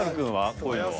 こういうのは？